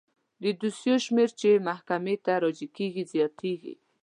د دوسیو شمیر چې محکمې ته راجع کیږي زیاتیږي.